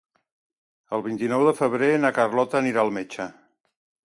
El vint-i-nou de febrer na Carlota anirà al metge.